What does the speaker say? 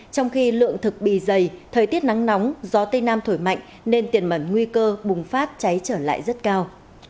trong khi lượng thực bì dày thời tiết nắng nóng gió tây nam thổi mạnh nên tiềm mẩn nguy cơ bùng phát cháy trở lại rất cao